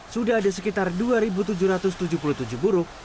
sudah ada sekitar dua tujuh ratus tujuh puluh tujuh buruh